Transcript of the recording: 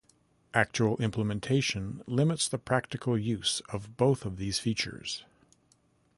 Actual implementation limits the practical use of both these features.